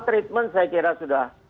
treatment saya kira sudah